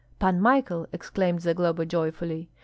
"Pan Michael!" exclaimed Zagloba, joyfully.